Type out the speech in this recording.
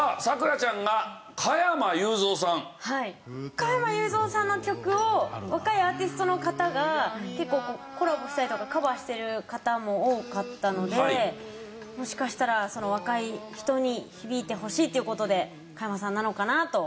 加山雄三さんの曲を若いアーティストの方が結構コラボしたりとかカバーしてる方も多かったのでもしかしたら若い人に響いてほしいっていう事で加山さんなのかなと思いました。